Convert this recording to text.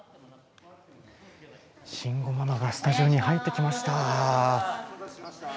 慎吾ママがスタジオに入ってきました。